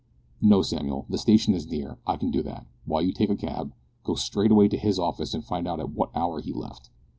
"No, Samuel, the station is near. I can do that, while you take a cab, go straight away to his office and find out at what hour he left.